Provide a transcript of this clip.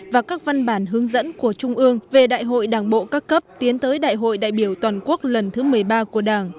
và các văn bản hướng dẫn của trung ương về đại hội đảng bộ các cấp tiến tới đại hội đại biểu toàn quốc lần thứ một mươi ba của đảng